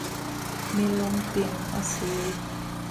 Mi lungping a si.